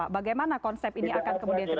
bagaimana konsep ini akan kemudian terjadi